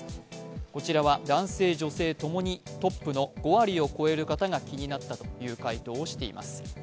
こちらは男性、女性ともにトップの５割を超える方が気になったという回答をしています。